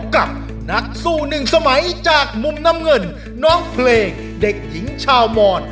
กับนักสู้หนึ่งสมัยจากมุมน้ำเงินน้องเพลงเด็กหญิงชาวมอน